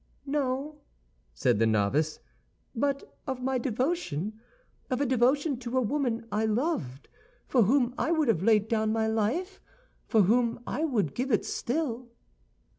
"No," said the novice, "but of my devotion—of a devotion to a woman I loved, for whom I would have laid down my life, for whom I would give it still."